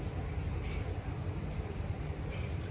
ติดลูกคลุม